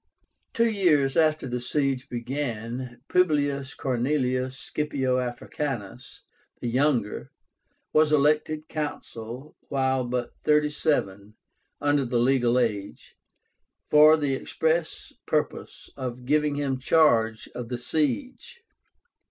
Two years after the siege began, PUBLIUS CORNELIUS SCIPIO AFRICÁNUS, the Younger, was elected Consul while but thirty seven (under the legal age), for the express purpose of giving him charge of the siege.